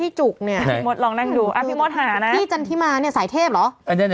อ่ะพี่มท์หานะพี่จันทิมาเนี่ยสายเทพเหรอ